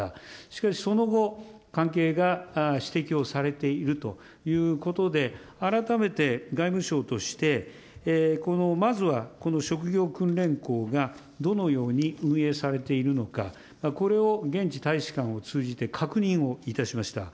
しかし、その後、関係が指摘をされているということで、改めて外務省として、この、まずはこの職業訓練校がどのように運営されているのか、これを現地大使館を通じて、確認をいたしました。